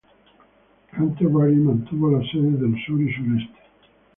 Canterbury mantuvo las sedes del sur y sureste.